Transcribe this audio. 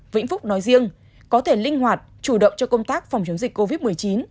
vĩnh phúc nói riêng có thể linh hoạt chủ động cho công tác phòng chống dịch covid một mươi chín